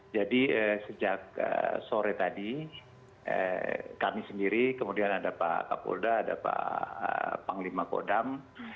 jadi sejak sore tadi kami sendiri kemudian ada pak kapolda ada pak panglima kodam